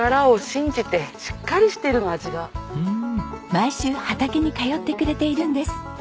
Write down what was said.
毎週畑に通ってくれているんです。